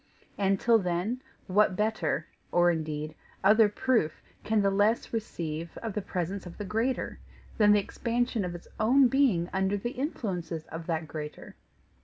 And till then what better or indeed other proof can the less receive of the presence of the greater than the expansion of its own being under the influences of that greater?